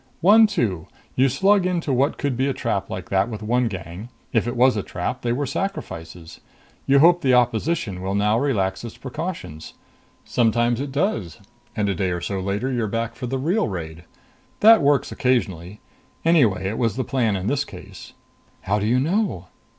"One two. You slug into what could be a trap like that with one gang. If it was a trap, they were sacrifices. You hope the opposition will now relax its precautions. Sometimes it does and a day or so later you're back for the real raid. That works occasionally. Anyway it was the plan in this case." "How do you know?"